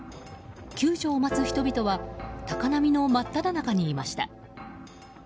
救助を待つ人々は高波の真っただ中にいました。